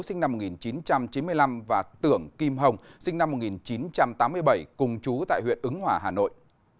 sinh năm một nghìn chín trăm chín mươi năm và tưởng kim hồng sinh năm một nghìn chín trăm tám mươi bảy cùng chú tại huyện ứng hòa hà nội